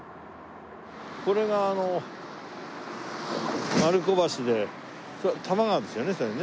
これがあの丸子橋で多摩川ですよねそれね。